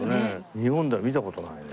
日本では見た事ないね。